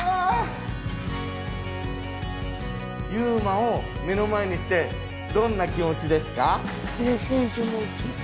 ユウマを目の前にしてどんな気持ちですか？